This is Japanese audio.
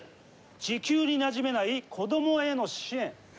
地球になじめない子どもへの支援。